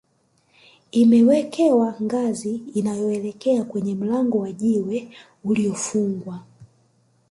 imewekewa ngazi inayoelekea kwenye mlango wa jiwe uliyofungwa